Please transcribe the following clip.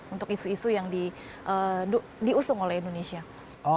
untuk isu isu yang diusung oleh indonesia